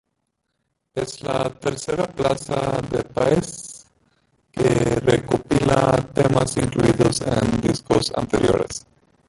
Es la tercera placa de Páez que recopila temas incluidos en discos anteriores.